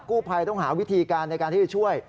กู้ภัยต้องหาวิธีการในการที่จะช่วย